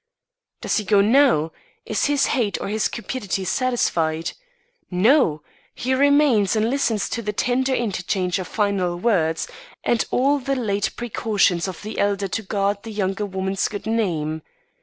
"Does he go now? Is his hate or his cupidity satisfied? No! He remains and listens to the tender interchange of final words, and all the late precautions of the elder to guard the younger woman's good name.